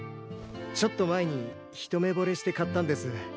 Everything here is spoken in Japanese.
ちょっと前に一目ぼれして買ったんです。